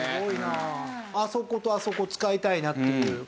あそことあそこ使いたいなっていう。